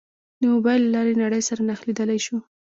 د موبایل له لارې نړۍ سره نښلېدای شو.